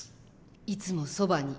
「いつもそばに」。